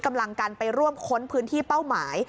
กำลังกันไปร่วมค้นพื้นที่เป้าหมาย